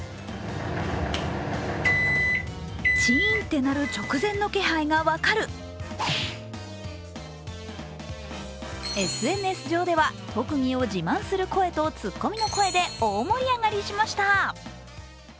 定規の上に小銭がのせられるＳＮＳ上では特技を自慢する声とツッコミの声で大盛り上がりしました。